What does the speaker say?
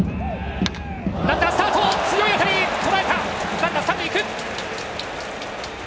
ランナー三塁へ行く。